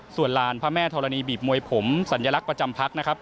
ส่วนลานพระแม่ธรณีบีบมวยผมสัญลักษณ์ประจำพักนะครับ